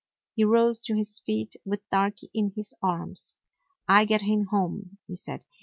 He rose to his feet with Darky in his arms. "I get him home," he said.